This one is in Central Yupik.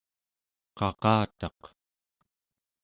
qaqataq